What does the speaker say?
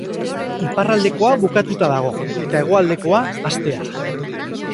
Iparraldekoa bukatuta dago, eta, hegoaldekoa, hastear.